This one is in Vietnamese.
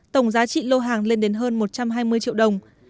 tổng giá trị lô hàng lên đến hơn một trăm hai mươi triệu đồng